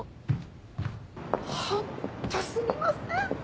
ホントすみません。